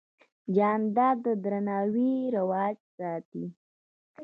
جانداد د درناوي رواج ساتي.